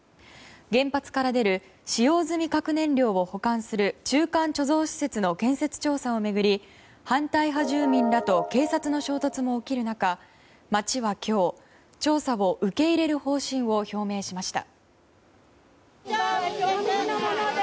原発から出る使用済み核燃料を保管する中間貯蔵施設の建設調査を巡り反対派住民らと警察の衝突も起きる中町は今日、調査を受け入れる方針を表明しました。